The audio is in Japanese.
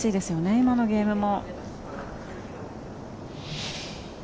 今のゲームも。